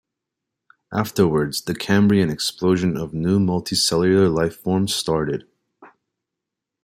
Afterwards, the Cambrian explosion of new multicellular life forms started.